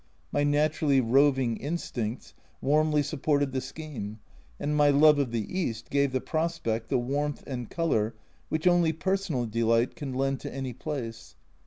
My naturally roving instincts warmly supported the scheme, and my love of the East gave the prospect the warmth and colour which only personal delight can lend to any place.